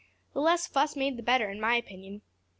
The less fuss made the better, in my opinion.